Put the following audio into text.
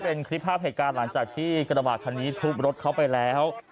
เป็นคลิปภาพเหตุการณ์หลังจากที่กระบาดคันนี้ทุบรถเขาไปแล้ว